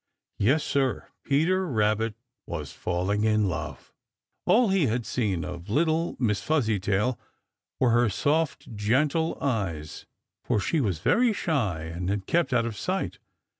Yes, Sir, Peter Rabbit was falling in love. All he had seen of little Miss Fuzzytail were her soft, gentle eyes, for she was very shy and had kept out of sight.